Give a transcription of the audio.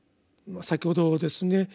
先ほどですね